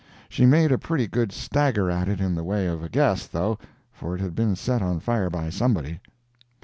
[She made a pretty good stagger at it in the way of a guess, though, for it had been set on fire by somebody.